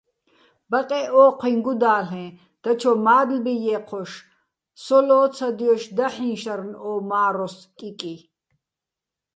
ბაყეჸ ო́ჴუიჼ გუდა́ლ'ეჼ, დაჩო მა́დლბი ჲე́ჴოშ, სო ლო́ცადჲოშ დაჰ̦იჼ შარნ ო მა́როს კიკი.